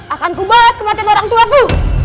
akan kubalas kematian orang tua ku